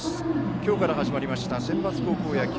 今日から始まりましたセンバツ高校野球。